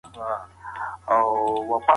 کرکټرونه له یو بل سره دوستانه دي.